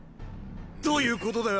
どういうことだよ？